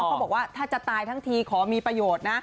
เขาบอกว่าถ้าจะตายทั้งทีขอมีประโยชน์นะ